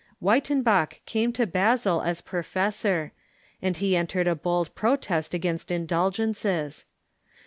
Wyttenbach came to Basel as professor, and he entered a bold protest against indulgences.